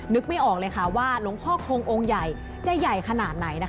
นึกไม่ออกเลยค่ะว่าหลวงพ่อคงองค์ใหญ่จะใหญ่ขนาดไหน